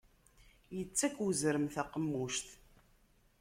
Ittak uzrem taqemmuct.